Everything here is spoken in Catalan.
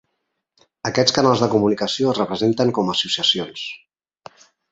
Aquests canals de comunicació es representen com a associacions.